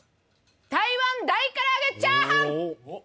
台湾大からあげチャーハン！